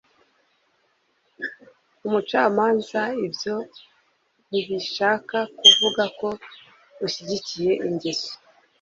umucamanza ibyo ntibishaka kuvuga ko ushyigikiye ingeso